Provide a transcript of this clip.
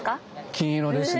金色ですね。